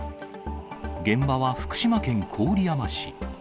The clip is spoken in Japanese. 現場は福島県郡山市。